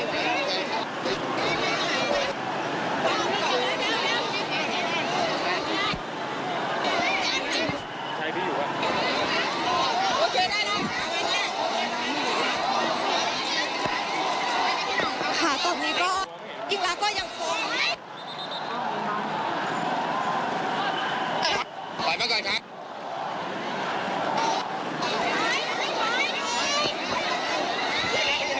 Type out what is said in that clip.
แกพอไปไหนแกแกแกแกแกไงใครพี่อยู่ฮะโอเคได้ได้